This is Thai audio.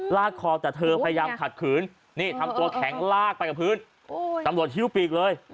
ลากคอแต่เธอพยายามขัดขืนนี่ทำตัวแข็งลากไปกับพื้นตำรวจฮิ้วปีกเลย